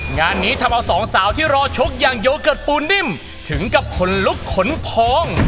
งานนี้ทำเอาสองสาวที่รอชกอย่างโยเกิร์ตปูนิ่มถึงกับขนลุกขนพอง